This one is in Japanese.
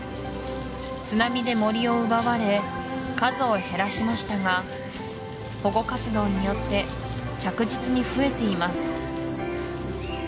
津波で森を奪われ数を減らしましたが保護活動によって着実に増えています